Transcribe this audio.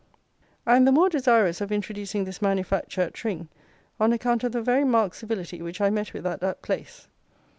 I am the more desirous of introducing this manufacture at Tring on account of the very marked civility which I met with at that place.